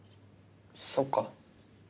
そっか。